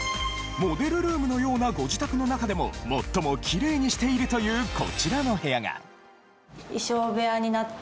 モデルルームのようなご自宅の中でも、もっともきれいにしているというこちらの部屋が。